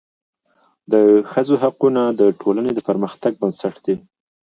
د ښځو حقونه د ټولني د پرمختګ بنسټ دی.